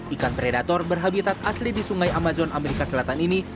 ikan predator berhabitat asli di sungai amazon amerika selatan ini